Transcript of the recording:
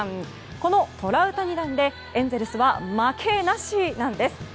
このトラウタニ弾でエンゼルスは負けなしなんです！